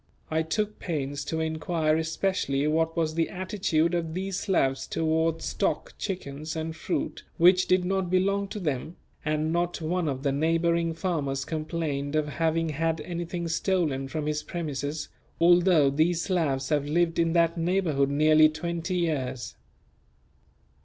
I took pains to inquire especially what was the attitude of these Slavs towards stock, chickens, and fruit which did not belong to them; and not one of the neighbouring farmers complained of having had anything stolen from his premises, although these Slavs have lived in that neighbourhood nearly twenty years.